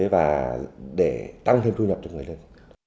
và để tăng thêm thu nhập cho người lên